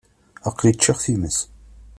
Aql-i ččiɣ times.